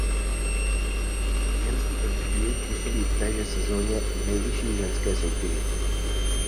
Ženský oddíl působí v téže sezóně v nejvyšší ženské soutěži.